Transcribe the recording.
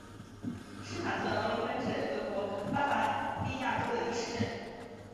施塔特劳林根是德国巴伐利亚州的一个市镇。